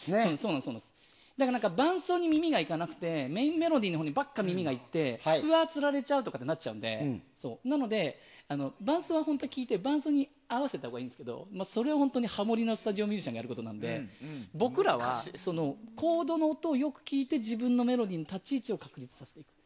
伴奏に耳がいかなくてメインメロディーに耳がいって、つられちゃうとかなっちゃうんで、なので伴奏に合わせたほうがいいですがそれはハモリのスタジオミュージシャンがやることなので僕らはコードの音をよく聴いて自分のメロディーの立ち位置を決めると。